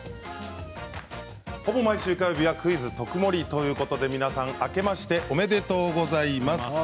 ほぼ毎週火曜日は「クイズとくもり」ということで皆さん、明けましておめでとうございます。